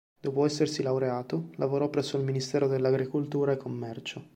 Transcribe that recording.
Dopo essersi laureato, lavorò presso il Ministero dell'Agricoltura e Commercio.